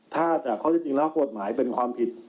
ถ้าจะเนี่ยกลับบทหมายเป็นความผิด